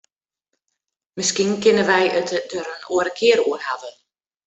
Miskien kinne wy it der in oare kear oer hawwe.